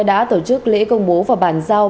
đã tổ chức lễ công bố và bàn giao